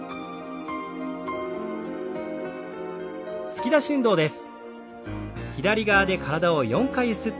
突き出し運動です。